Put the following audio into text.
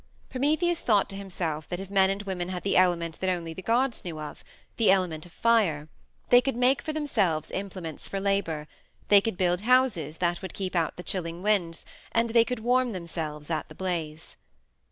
Prometheus thought to himself that if men and women had the element that only the gods knew of the element of fire they could make for themselves implements for labor; they could build houses that would keep out the chilling winds, and they could warm themselves at the blaze.